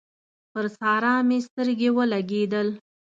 پر سارا مې سترګې ولګېدل